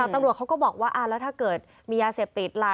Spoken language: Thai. ตำรวจเขาก็บอกว่าแล้วถ้าเกิดมียาเสพติดล่ะ